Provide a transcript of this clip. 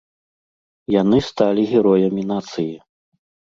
Яны сталі героямі нацыі.